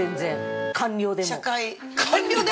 官僚でも。